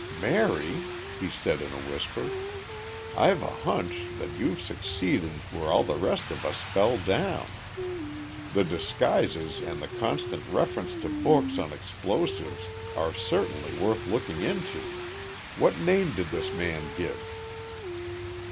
"Mary," he said, in a whisper, "I've a hunch that you've succeeded where all the rest of us fell down! The disguises and the constant reference to books on explosives are certainly worth looking into. What name did this man give?"